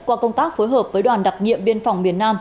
qua công tác phối hợp với đoàn đặc nhiệm biên phòng miền nam